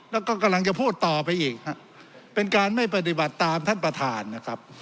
แล้วก็กำลังจะพูดต่อไปอีกฮะเป็นการไม่ปฏิบัติตามท่านประธานนะครับ